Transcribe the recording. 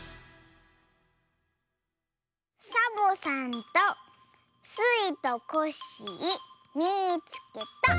「サボさんとスイとコッシーみいつけた」。